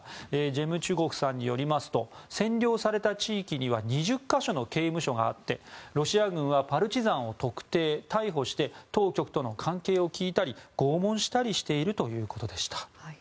ジェムチュゴフさんによりますと占領された地域には２０か所の刑務所があってロシア軍はパルチザンを特定・逮捕して当局との関係を聞いたり拷問したりしているということでした。